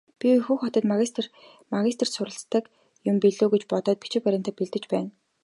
Би Хөх хотод магистрт суралцдаг юм билүү гэж бодоод бичиг баримтаа бэлдэж байна.